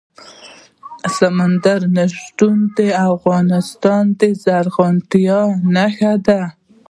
سمندر نه شتون د افغانستان د زرغونتیا نښه ده.